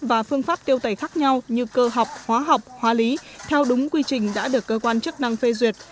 và phương pháp tiêu tẩy khác nhau như cơ học hóa học hóa lý theo đúng quy trình đã được cơ quan chức năng phê duyệt